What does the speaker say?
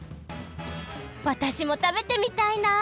わたしも食べてみたいな。